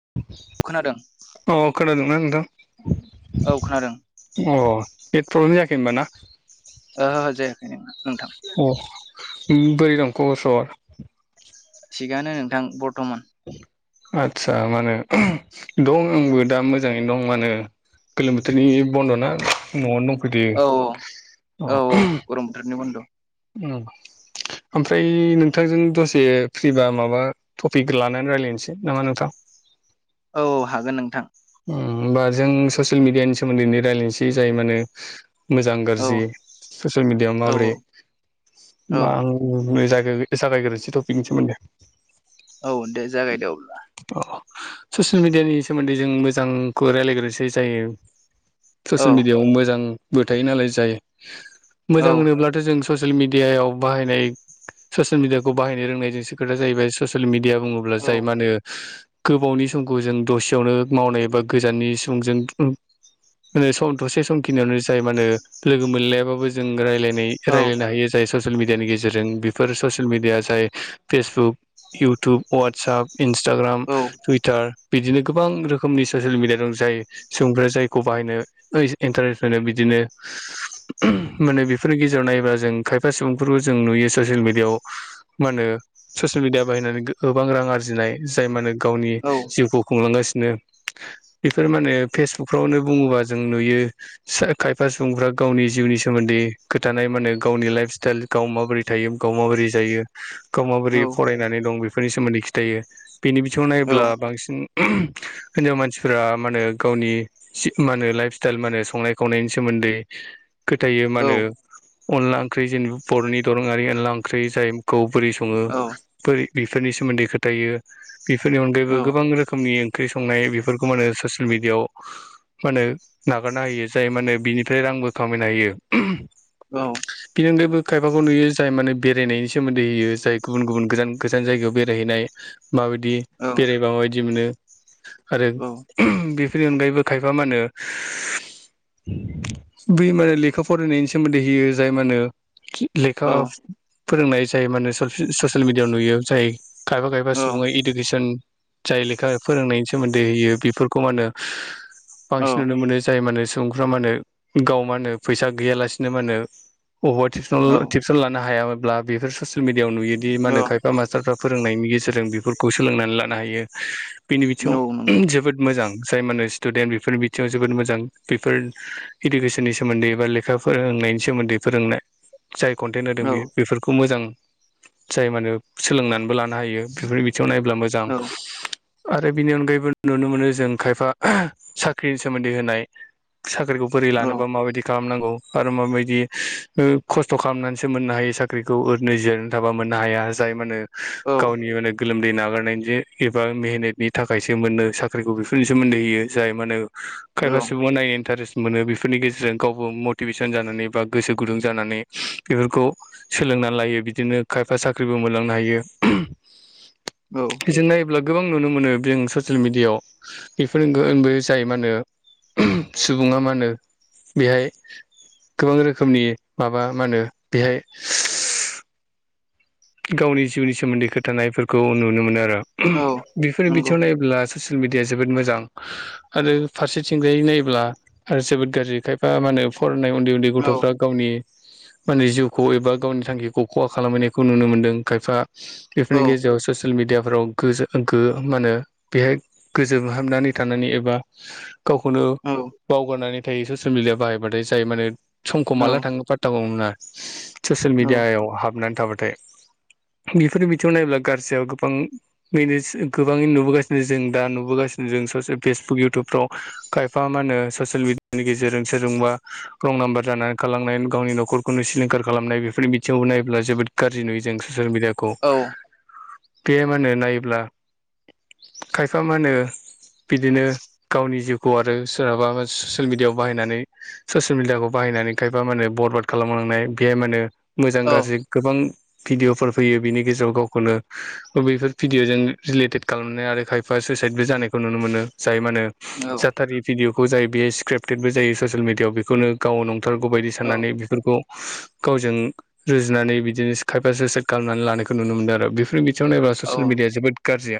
[inaudible] खोनादों औ औ खोनादों ना नोंथां औ खोनादों अ बेट प्रब्लेम जायाखै होनबा ना? ओहो जायाखै नो नोंथां। अ बोरै दं खबर सबर? थिगानो नोंथां बर्थमान। आतसा मा होनो दं आंबो दा मोजाङैनो दं मा होनो गोलोम बोथोरनि बन्द'ना न'आवनो दंफैथयो। गरमबोथोरनि बन्द'। ओम ओमफ्राय नोंथांजों दसे फ्रिबा माबा टपिकखौ लानानै रायलायनोसै नामा नोंथां औ हागोन नोंथां ओम ओमबा जों ससियेल मिडियानि सोमोन्दैनो रायलायनोसै जाय माने मोजां औ गाज्रि ससियेल मिडिया औ माबोरै- औ होमबा आंनो जागा जागायग्रोनोसै टपिकनि सोमोन्दै। औ दे जागायदे अब्ला। अ ससियेल मिडियानि सोमोन्दै जों मोजांखौ रायज्लायग्रोसो जायो औ ससियेल मिडियायाव मोजांबो थायो नालाय जाय औ मोजां होनोब्लाथ' जों ससियेल मिडियायाव बाहायनाय- ससियेल मिडियाखौ बाहायनो रोंनायजोंसो खोथा जाहैबाय ससियेल मिडिया बुङोब्ला औ जाय मा होनो गोबावनि समखौ जों दसेयावनो मावनाय एबा गोजाननि सुबुंजों [inaudible] दसे समखिनियावनो जाय मान लोगो मोनलायाबाबो जों रायलायनाय- औ रायलायनो हायो जाय ससियेल मिडियानि गेजेरजों बेफोर ससियेल मिडिया जाय फेसबुक इउटुब अवातटसप इन्सटाग्राम औ टुइटार बिदिनो गोबां रोखोमनि ससियेल मिडिया दं जाय सुबुंफोरा जायखौ बाहायनो इन्टारेस्ट होनो बिदिनो माने बेफोरनि गेजे जेराव नायोबा जों खायफा सुबुंफोरखौ जों नुयो ससियेल मिडियाआव मा होनो ससियेल मिडिया बाहायनानै गोबां रां आरजिनाय जाय माने गावनि औ जिउखौ खुंलांगासिनो बेफोर माने फेसबुकफ्रावनो बुङोबा जों नुयो- खायफा सुबुंफ्रा गावनि जिउनि सोमोन्दै- खोथानाय माने गावनि लाइफ स्टाइल गाव माबोरै थायो गाव माबोरै जायो। गाव माबोरै औ फरायनानै दं बेफोरनि सोमोन्दै खिथायो। बेनि बिथिङाव औ नायोब्ला बांसिन हिनजाव मानसिफोरा मा होनो गावनि सि मा होनो लाइफ स्टाइल मा होनो संनाय खावनायनि सोमोन्दै खोथायो मा होनो अनला ओंख्रि जेनेबा बर'नि दोरोङारि अनला ओंख्रि जायखौ बोरै सङो फोर बेफोरनि सोमोन्दै खोथायो बेफोरनि अनगायैबो गोबां रोखोमनि ओंख्रि संनाय बेफोरखौ माने ससियेल मिडियाआव- मा होनो नागारना होयो जाय माने बिनिफ्राय रांबो खामायनो हायो। औ बिनि अनगायैबो खायफाखौ नुयो जाय माने बेरायनायनि सोमोन्दै होयो जाय गुबुन गुबुन गोजान गोजान जायगायाव बेरायहैनाय। माबायदि बेरायबा माबायदि मोनो। आरो बेफोरनि अनगायैबो खायफा मा होनो। बै माने लेखा फरायनायनि सोमोन्दै होयो जाय मा होनो। लेखा फोरोंनाय जायो माने ससियेल मिडियायाव नुयो जायो। खायफा खायफा सुबुङा औ इडुकेसन। जाय लेखा फोरोंनायनि सोमोन्दै होयो बेफोरखौ मा होनो। औ बांसिन नुनो मोनो जाय मानो सुबुंफ्रा मा होनो गाव मा होनो फैसा गैयालासिनो मा होनो। अबावबा औ टिउसन टिउसन लानो हायाब्ला बेफोर ससियेल मिडियाआव नुयोदि माहोनो खायफा मास्टारफ्रा। फोरोंनायनि गेजेरजों बेफोरखौ सोलोंनानै लानो हायो बेनि बिथिङाव। औ नंगौ जोबोद मोजां जाय माने स्टुडेन्ट बेफोर बिथिङाव जोबोद मोजां बेफोर। इडुकेसननि सोमोन्दै बा लेखा। फोरोंनायनि सोमोन्दै फोरोंनाय जाय कन्टेन्ट होदों औ बे बेफोरखौ मोजां। जाय मा होनो सोलोंनानैबो लानो हायो बेफोर बिथिङाव नायोब्ला मोजां। औ आरो बेनि अनगायैबो नुनो मोनो जों खायफा साख्रिनि सोमोन्दै होनाय। साख्रिखौ बोरै लानोबा माबायदि खालामनांगौ। आरो माबायदि खस्थ' खालामनानैसो मोननो हायो साख्रिखौ ओरैनो जिरनानो थाबा मोननो हाया जाय मा होनो। औ गावनि माने गोलोमदै नागारनायनि एबा मेहेनतनि थाखायसो मोनो साख्रिखौ बेफोरनि सोमोन्दैयै जाय मा होनो औ खायफा सुबुङा नायनो इन्टारेस्ट मोनो बेफोरनि गेजेरजों गावबो मटिभेसन जानानै बा गोसो गुदुं जानानै बेफोरखौ सोलोंनानै लायो बिदिनो खायफा साख्रिबो मोनलांनो हायो। बेजोंहाय अब्ला गोबां नुनो मोनो जों ससियेल मिडियाआव। बेफोरनो बे जाय मा होनो सुबुङा मा होनो बेहाय गोबां रोखोमनि माबा मा होनो बेहाय गावनि जिउनि सोमोन्दै खोथानायफोरखौ नुनो मोनो आरो। औ बेफोरनि नंगौ बिथिङाव नायोब्ला ससियेल मिडिया जोबोद मोजां आरो फारसेथिंजाय नायोब्ला आरो जोबोद गाज्रि। खायफा मा होनो फरायनाय उन्दै उन्दै गथ'फ्रा औ गावनि माने जिउखौ एबा गावनि थांखिखौ खहा खालामहैनायखौ नुनो मोनदों खायफा, बेफोरनि गेजेराव स ससियेल मिडियाफ्राव गोजो गो मा होनो बेहाय गोजोमहाबनानै थानानै एबा गावखौनो औ बावगारनानै थायो ससियेल मिडिया बाहायबाथाय जाय माने समखौ औ माला थाङो फाथ्थाखौनो मोना ससियेल औ मिडियाायाव हाबनानै थाबाथाय। बेफोर बिथिङाव नायोब्ला गाज्रिया गोबां बेनो गोबाङै नुबोगासिनो जों दा नुबोगासिनो जों ससे फेसबुक इउटुबफ्राव। खायफा मा होनो ससियेल मिडियानि गेजेरजों सोरजोंबा रं नाम्बार जानानै खालांनाय गावनि न'खरखौनो सिलिंखार खालामनाय बेफोरनि बिथिङाव नायोब्ला जोबोद गाज्रि नुयो जों ससियेल मिडियाखौ। औ बे मा होनो नायोब्ला खायफा मा होनो बिदिनो गावनि जिउखौ आरो सोरहाबा ससियेल मिडियाआव बाहायनानै ससियेल मिडियाखौ बाहायनानै खायफा माने बरबाद खालामलांनाय बेहाय माने मोजां औ गाज्रि गोबां भिदिअफोर फैयो, बेनि गेजेराव गावखौनो बैफोर भिडिअजों रिलेटेड खालामनाय आरो खाय बा सुइसाइदबो जानायखौ नुनो मोनो जाय मा होनो औ जाथारि भिडिअ'खौ जाय बे स्क्रिपटेडबो जायो ससियेल मिडियाआव बेखौनो गाव नं नंथारगौ बायदि औ साननानै बेफोरखौ गावजों रुजुनानै बिदिनो खायफा सुयसेत खालामनानै लानायखौ नुनो मोनदों आरो बेफोरनि बिथिङाव नायोब्ला औ ससियेल मिडिया जोबोद गाज्रि।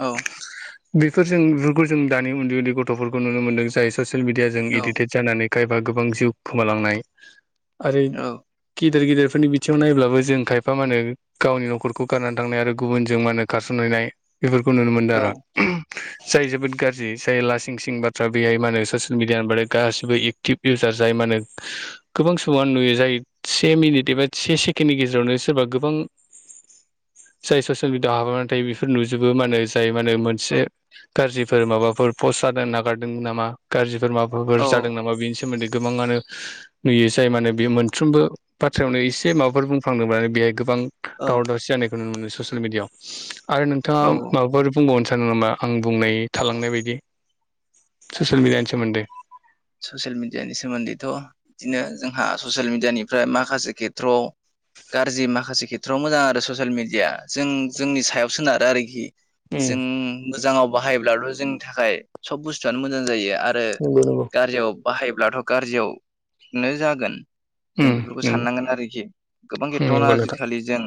औ बेफोरजों बेफोरखौ जों दानि उन्दै उन्दै गथ'फोरखौ नुनो मोनदों जाय ससियेल मिडिया जों औ एडिकटेड जानानै खायबा गोबां जिउ खोमालांनाय आरो औ गिदिर गिदिरफोरनि बिथिंयाव नायब्लाबो जों खायफा मा होनो गावनि नखरखौ गारनानै थांनाय आरो गुबुनजों मा होनो खारसनहैनाय बेफोरखौ नुनो मोनदों आरो। जाय जोबोद गाज्रि जाय लासिं सिं बाथ्रा बेहाय मा होनो ससियेल मिडियानि होनबाथाय गासैबो इउजार जाय माने गोबां समावनो नुयो जाय से मिनिट एबा से सेकेणडनि गेजेरावनो सोरबा गोबां जाय ससियेल मिडियाआव हाबनानै थायो बेफोर नुजोबो मा होनो जाय माने मोनसे गाज्रिफोर माबाफोर पस्ट जानो नागारदों नामा गाज्रिफोर औ माबाफोर जादों औ नामा बेनि सोमोन्दै गोबाङानो नुयो जाय माने बे मोनफ्रोमबो बाथ्रायावनो एसे माबाफोर बुंफ्रांदोंब्लानो बेहाय गोबां दावराव औ दावसि जानायखौ नुनो मोनो ससियेल मिडियाआव आरो नोंथाङा औ। माबाफोर बुंबावनो सानो नामा आं बुंनाय थालांनाय बादि ससियेल मिडियानि सोमोन्दै? ससियेल मिडियानि सोमोन्दैथ' बिदिनो जोंहा ससियेल मिडियानिफ्राय माखासे खेथ्रआव गाज्रि माखासे खेथ्रआव मोजां आरो ससियेल मिडियाया जों जोंनि सायाव सोनारो आरोखि। उम जों मोजाङाव बाहायब्लाथ' जोंनि थाखाय सब बुस्थुआनो मोजां जायो आरो ओम नंगौ। गाज्रियाव बाहायब्लाथ' गाज्रियावनो जागोन। जों उम बेफोरखौ नंगौ साननांगोन आरोखि गोबां खेथ्रआवनो आजिखालि जों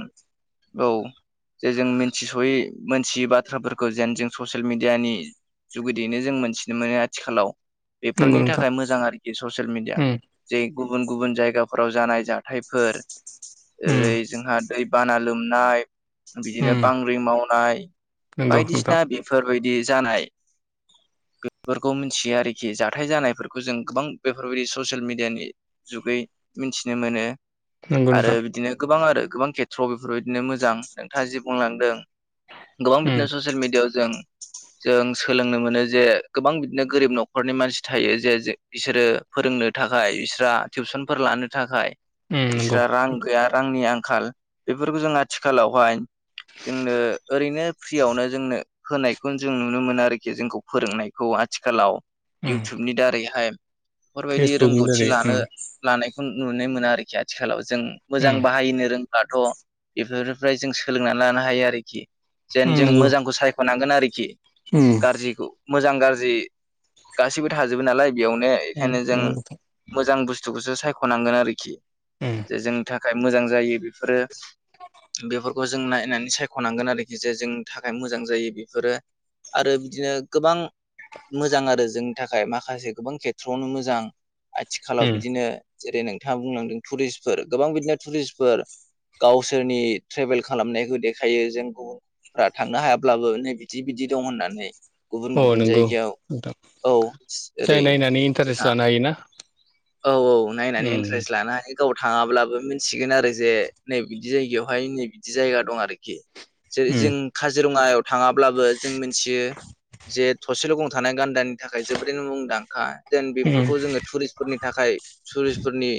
औ जे जों मिनथिस'यै मोनथियै बाथ्राफोरखौ जेन जों ससियेल मिडियानि जुगिदियैनो जों मोनथिनो मोनो आथिखालाव नंगौ नोंथां नंगौ बेफोरनि नोंथां थाखाय मोजां आरोखि ससियेल मिडिया। उम जै गुबुन गुबुन जायगाफोराव जानाय जाथायफोर उम ओरै जोंहा दै बाना लोमनाय उम बिदिनो बांग्रि मावनाय नंगौ नोंथां बायदिसिना बि बेफोरबायदि जानाय बेफोरखौ मिथियो आरोखि जा जाथाय जानायफोरखौ जों गोबां बेफोरबायदि ससियेल मिडियानि जुगै मिथिनो मोनो। नंगौ आरो नोंथां बिदिनो गोबां आरो गोबां खेथ्र' बेफोरबायदिनो मोजां नोंथाङा जि बुंलांदों। गोबां उम बिदिनो ससियेल मिडियाआव जों जों सोलोंनो मोनो जे गोबां बिदिनो गोरिब न'खरनि मानसि। थायो जे बिसोरो फोरोंनो थाखाय बिस्रा टिउसनफोर लानो थाखाय उम नंगौ बिस्रा रां गैया रांनि आंखाल बेफोरखौ जों आथिखालावहाय जोंनो ओरैनो फ्रियावनो जोंनो होनायखौ जों नुनो मोनो आरोखि जोंखौ फोरोंनायखौ आथिखालाव। उम इउटुबनि दारैहाय बेफोरबायदि फेसबुकनि रोंगौथि दारै लानो उम लानायखौ नुनो मोनो आरोखि आथिखालाव जों मोजां बाहायनो रों बाथ' बेफोरनिफ्राय जों सोलोंनानै लानो हायो आरोखि जेन जों मोजांखौ साय होनांगोन आरोखि ओम गाज्रिखौ मोजां गाज्रि गासैबो थाजोबो नालाय बेयावनो बेखायनो जों नंगौ नोंथां मोजां बुस्थुखौसो सायख'नांगोन आरोखि। उम जे जोंनि थाखाय मोजां जायो बेफोरो। बेफोरखौ जों नायनानै सायख'नांगोन आरोखि जे जोंनि थाखाय मोजां जायो बेफोरो। आरो बिदिनो गोबां मोजां आरो जों। नि थाखाय माखासे गोबां खेथ्रआवनो मोजां आथिखालाव उम बिदिनो - जेरै नोंथाङा बुंलांदों टुरिस्फोर गोबां बिदिनो टुरिस्टफोर गावसोरनि ट्रेभेल खालामनायखौ देखायो जों गुबुन। थांनो हायाब्लाबो नै बिदि बिदि दं होननानै गुबुन अ गुबुन नंगौ जायगायाव। नोंथां औ ओरै जोंहा हायो ना? औ औ नायनानै इन्टारेस्ट लानो हायो। गाव थाङाब्लाबो मिथिगोन आरो जे नै बिदि जायगायावहाय नै बिदि जायगा दं आरोखि। जेरै उम जों काजिरङायाव थाङाब्लाबो जों मिथियो जे थसेल' गं थानाय गान्दानि थाखाय जोबोरैनो मुंदांखा देन उम बेफोरखौ जोङो टुरिस्टफोरनि थाखाय। टुरिस्फोरनि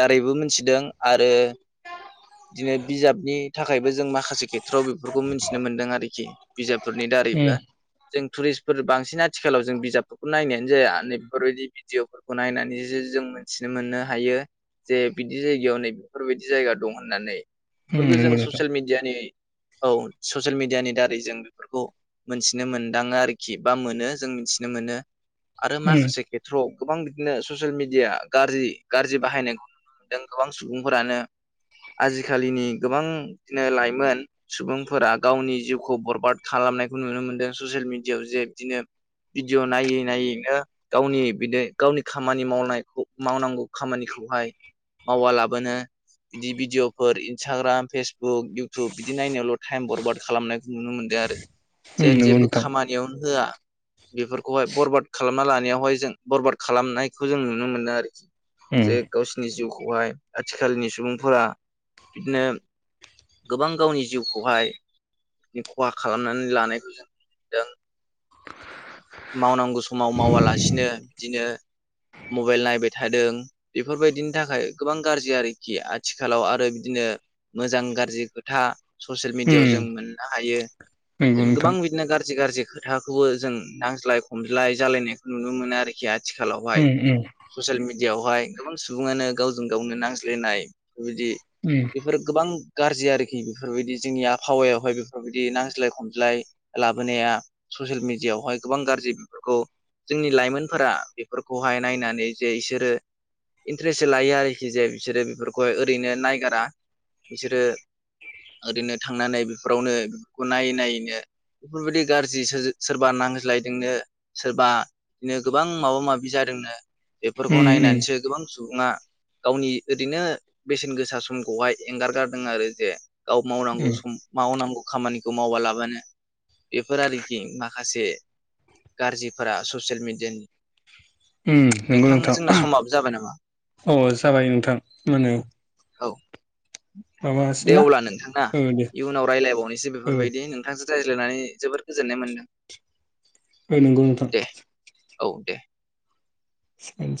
दारैबो मिथिदों आरो। दिनै बिजाबनि थाखायबो जों माखासे खेथ्रआव बेफोरखौ मिथिनो मोनदों आरोखि बिजाबफोरनि दारैबो। उम जों टुरिस्टफोर बांसिन आथिखालाव जों बिजाबफोरखौ नायनायानो जाया नै बिफोरबायदि भिदिअफोरखौ नायनानै जो जों मिथिनो मोननो हायो जे बिदि जायगायाव नै बेफोरबायदि जायगा दं होननानै। उम बेफोरखौ जों नंगौ नोंथां ससियेल मिडियानि औ ससियेल मिडियानि दारै जों बिफोरखौ। मोनथिनो मोनदाङो आरोखि बा मोनो जों मिथिनो मोनो। आरो उम माखासे खेथ्रआव गोबां बिदिनो सु ससियेल मिडिया गारजि गारजि बाहायनायखौ नुनो मोनदों गोबां सुबुंफोरानो आजिखालिनि गोबां बिदिनो लाइमोन सुबुंफोरा गावनि जिउखौ बरबाद खालामनायखौ नुनो मोनदो ससियेल मिडियाआव जे बिदिनो भिदिअ नायै नायैनो गावनि बि-दि गावनि खामानि मावनाय-खौ मावनांगौ खामानिखौहाय मावा लाबोनो बिदि भिडिअफोर इन्सटाग्राम फेसबुक इउटुब बिदि नायनायावल' टाइम बरबाद खालामनाय नुनो मोनदो आरो। उम जेन नंगौ जेबो नोंथां उम खामानियावनो होआ बेफोरखौहाय बरबाद खालामना लानायावहाय जों बरबाद खा खालामनायखौ जों नुनो मोनो आरोखि जे उम गावसिनि जिउखौहाय आथिखालनि सुबुंफोरा बिदिनो गोबां गावनि जिउखौहाय बे खहा खालामनानै लानायखो जों नुदों मावनांगौ समाव मावालासिनो बिदिनो मबाइल नायबाय थादों बेफोरबायदिनि थाखाय गोबां गारजि आरोखि आथिखालाव आरो बिदिनो मोजां गारजि खोथा ससियेल मिडियायाव जों मोननो हायो नंगौ जेन गोबां नोंथां बिदिनो गारजि गारजि खो खोथाखौबो जों नांज्लाय खमज्लाय जालायनायखौ नुनो मोनो आरोखि आथिखालावहाय उम उम ससियेल मिडियाआवहाय गोबां सुबुङानो गावजों गावनो नांज्लायनाय बेफोरबादि उम बेफोर गोबां गारजि आरोखि बेफोरबायदि जोंनि आबहावायावहाय बेफोरबायदि नांज्लाय खमज्लाय लाबोनाया ससियेल मिडियायावहाय गोबां गारजि बिफोरखौ जोंनि लाइमोनफोरा बेफोरखौहाय नायनानै जे इसोरो इन्ट्रेस्टसो लायो आरोखि जे बिसोरो बेफोरखौहाय ओरैनो नायगारा बिसोरो ओरैनो थांनानै बिफोरावनो बिफोरखौ नायै नायैनो बिफोरबायदि गारजि सोरजो - सोरबा नांज्लायदोंनो सोरबानो गोबां माबा माबि जादोंनो बेफोरखौ उम उम नायनानैसो गोबां सुबुङा गावनि ओरैनो बेसेन गोसा समखौहाय एंगारगारदों आरो जे गाव मावनांगौ उम सम मावनांगौ खामानिखौ मावालाबानो बेफोर आरोखि माखासे गारजिफोरा ससियेल मिडियानि उम नंगौ जोंना नोंथां समाबो जाबाय नामा औ जाबाय नोंथां मोनायाव औ दे ना अब्ला नोंथाङा औ दे इयुनाव रायलायबावनोसै औ बेफोरबायदि नोंथांजो रायज्लायनानै जोबोर गोजोननाय मोनदों ओ नंगौ नोंथां दे औ दे सिपेन्स [inaudible]